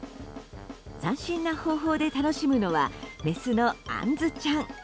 斬新な方法で楽しむのはメスのあんずちゃん。